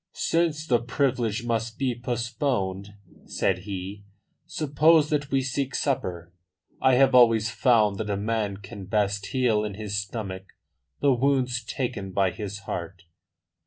"Since the privilege must be postponed," said he, "suppose that we seek supper. I have always found that a man can best heal in his stomach the wounds taken by his heart."